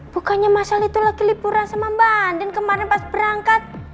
bukannya mas al itu lagi lipuran sama mbak andin kemarin pas berangkat